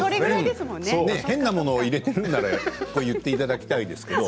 変なものを入れているなら言っていただきたいですけれども。